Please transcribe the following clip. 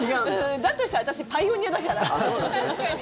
だとしたら私パイオニアだから。